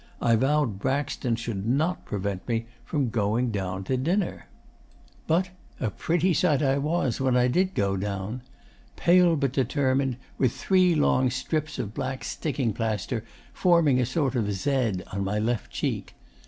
I vowed Braxton should not prevent me from going down to dinner. 'But a pretty sight I was when I did go down. Pale but determined, with three long strips of black sticking plaster forming a sort of Z on my left cheek.